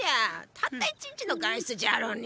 たった一日の外出じゃろうに。